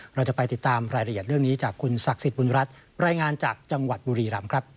เราจะไปติดตามรายละเอียดเรื่องนี้จากคุณศักดิ์สิทธิบุญรัฐรายงานจากจังหวัดบุรีรำครับ